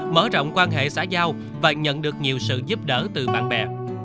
mở rộng quan hệ xã giao và nhận được nhiều sự giúp đỡ từ bạn bè